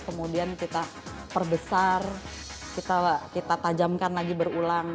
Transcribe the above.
kemudian kita perbesar kita tajamkan lagi berulang